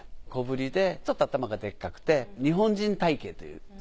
小ぶりでちょっと頭がでっかくて日本人体型という。